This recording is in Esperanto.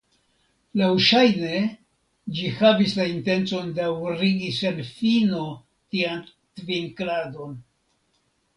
Laŭŝajne ĝi havis la intencon daŭrigi sen fino tian tvinkladon.